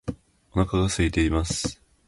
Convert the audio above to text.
お腹が空いています